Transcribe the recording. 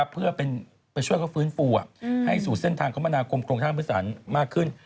เพื่อไปช่วยเขาฟื้นฟูให้สู่เส้นทางคมนาคมโครงสร้างพื้นสารมากขึ้น